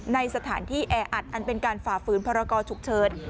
ในสถานที่แออัดอันเป็นการฝ่าฝืนพรกรฉุกเฉิน